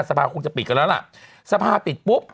สภาคงจะปิดกันแล้วล่ะสภาปิดปุ๊บ